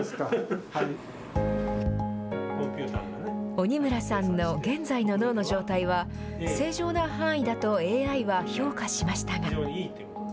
鬼村さんの現在の脳の状態は、正常な範囲だとＡＩは評価しましたが。